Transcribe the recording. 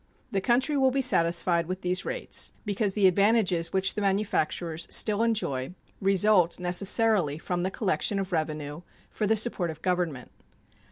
The country will be satisfied with these rates, because the advantages which the manufacturers still enjoy result necessarily from the collection of revenue for the support of Government.